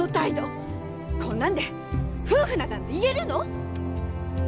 こんなんで夫婦だなんて言えるの！？